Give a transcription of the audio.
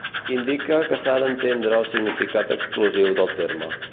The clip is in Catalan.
Indica que s'ha d'entendre el significat exclusiu del terme.